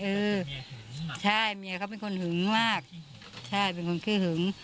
เออใช่เมียเขาเป็นคนหึงมากใช่เป็นคนขี้หึง